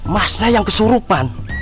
masnya yang kesurupan